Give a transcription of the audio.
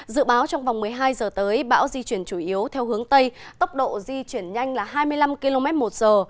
dự báo trong vòng một mươi hai giờ tới bão di chuyển chủ yếu theo hướng tây tốc độ di chuyển nhanh là hai mươi năm km một giờ